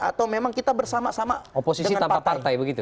atau memang kita bersama sama dengan partai begitu